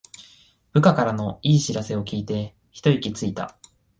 部下からの良い知らせを聞いてひと息ついた